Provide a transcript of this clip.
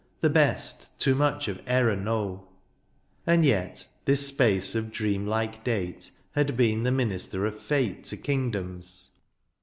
The best, too much of error know. THE AREOPAGITB. 93 And yet this space of dream like date Had been the minister of fate To kingdoms.